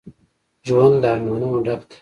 ژوند له ارمانونو ډک دی